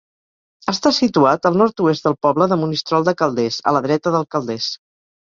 Està situat al nord-oest del poble de Monistrol de Calders, a la dreta del Calders.